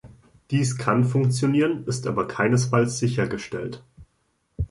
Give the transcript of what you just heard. Dies kann funktionieren, ist aber keinesfalls sichergestellt.